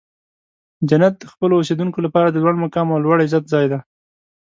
جنت د خپلو اوسیدونکو لپاره د لوړ مقام او لوړ عزت ځای دی.